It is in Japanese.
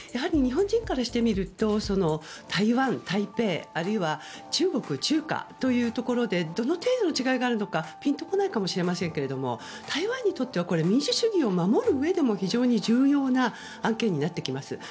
日本人からしてみると台湾、台北あるいは中国、中華というところでどの程度の違いがあるのかピンとこないかもしれませんけれども台湾にとっては民主主義を守るうえでも非常に重要な案件になってきます。